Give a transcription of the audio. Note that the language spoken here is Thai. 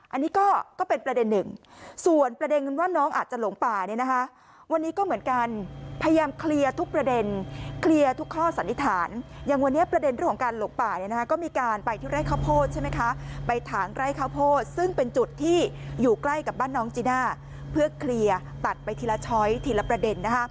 อันนี้ก็เป็นประเด็นหนึ่งส่วนประเด็นว่าน้องอาจจะหลงป่าเนี่ยนะคะวันนี้ก็เหมือนกันพยายามเคลียร์ทุกประเด็นเคลียร์ทุกข้อสันนิษฐานอย่างวันนี้ประเด็นเรื่องของการหลงป่าเนี่ยนะคะก็มีการไปที่ไร่ข้าวโพดใช่ไหมคะไปถางไร่ข้าวโพดซึ่งเป็นจุดที่อยู่ใกล้กับบ้านน้องจีน่าเพื่อเคลียร์ตัดไปทีละช้อยทีละประเด็น